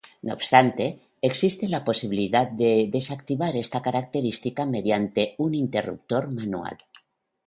No obstante, existe la posibilidad de desactivar esta característica mediante un interruptor manual.